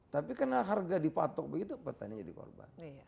tapi karena harga dipatok begitu petani jadi korban